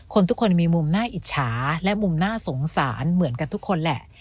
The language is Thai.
ทุกคนมีมุมน่าอิจฉาและมุมน่าสงสารเหมือนกันทุกคนแหละ